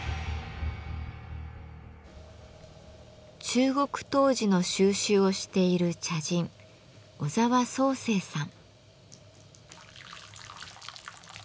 中国陶磁の収集をしている茶人小澤宗誠さん。